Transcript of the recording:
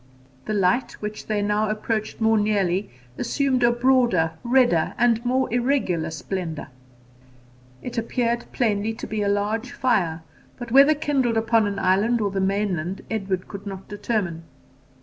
The light, which they now approached more nearly, assumed a broader, redder and more irregular splendour. It appeared plainly to be a large fire, but whether kindled upon an island or the mainland Edward could not determine.